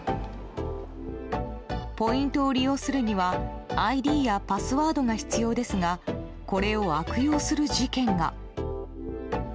ポイントを利用するにはＩＤやパスワードが必要ですがこれを悪用する事件が。